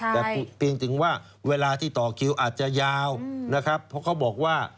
แต่เพียงถึงว่าเวลาที่ต่อคิวอาจจะยาวนะครับเพราะเขาบอกว่า